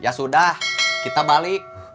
ya sudah kita balik